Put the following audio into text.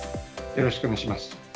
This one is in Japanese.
よろしくお願いします。